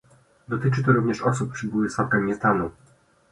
Dotyczy to również osób przybyłych z Afganistanu